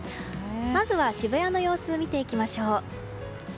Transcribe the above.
まずは渋谷の様子を見ていきましょう。